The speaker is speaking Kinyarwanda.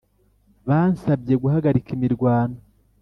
byasanbye guhagarika imirwano,